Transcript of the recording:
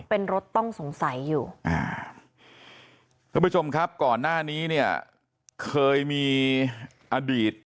เป็นรถต้องสงสัยอยู่อ่าท่านผู้ชมครับก่อนหน้านี้เนี่ยเคยมีอดีต